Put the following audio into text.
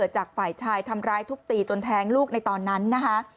จากฝ่ายชายทำร้ายทุบตีจนแทงลูกในตอนนั้นนะคะ